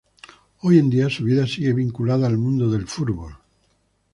Hoy en día, su vida sigue vinculada al mundo del fútbol.